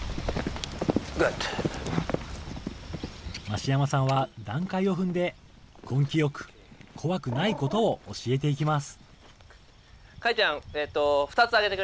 増山さんは段階を踏んで、根気よく、怖くないことを教えていきます。